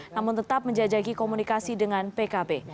namun tetap menjajaki komunikasi dengan pkb